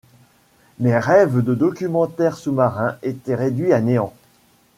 Mes rêves de documentaire sous-marin étaient réduits à néant.